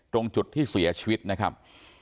ตรงจุดที่เสียชีวิตนะครับ